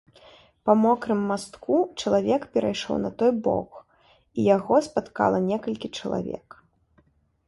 Па мокрым мастку чалавек перайшоў на той бок, і яго спаткала некалькі чалавек.